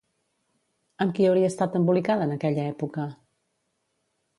Amb qui hauria estat embolicada en aquella època?